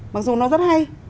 mặc dù nó rất hay